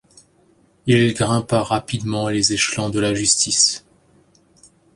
Il grimpa rapidement les échelons de la justice.